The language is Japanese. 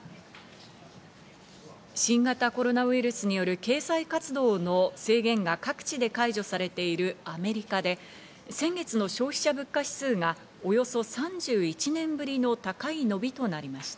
新型コロナウイルスによる経済活動の制限が各地で解除されているアメリカで、先月の消費者物価指数がおよそ３１年ぶりの高い伸びとなりました。